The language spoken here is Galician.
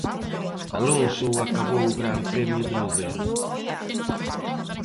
Alonso acabou o Gran Premio de noveno.